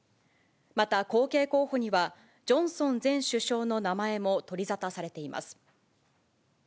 また後継候補には、ジョンソン前首相の名前も取り沙汰されています。